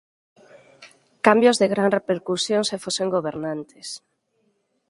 Cambios "de gran repercusión" se fosen gobernantes